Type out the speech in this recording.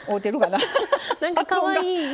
なんかかわいい。